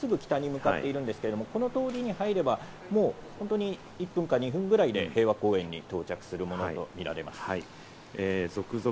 吉島通りを今、真っすぐ北に向かっているんですけれども、この通りに入れば、もう１分か２分ぐらいで平和公園に到着するものとみられます。